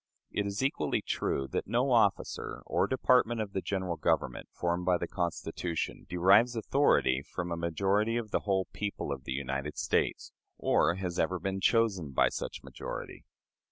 It is equally true that no officer or department of the General Government formed by the Constitution derives authority from a majority of the whole people of the United States, or has ever been chosen by such majority.